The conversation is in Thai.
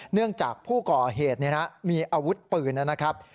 เนื่องจากผู้ก่อเหตุมีอาวุธปืนนะครับ